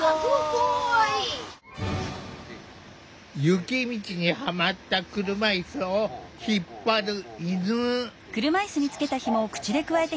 雪道にはまった車いすを引っ張る犬。